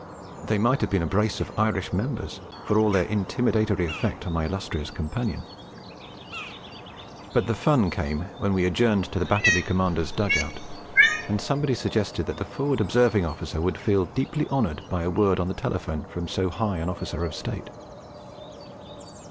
They might have been a brace of Irish Members for all their intimidatory effect on my illustrious companion. But the fun came when we adjourned to the Battery Commander's dug out, and somebody suggested that the Forward Observing Officer would feel deeply honoured by a word on the telephone from so high an Officer of State.